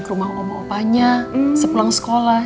ke rumah omo opanya sepulang sekolah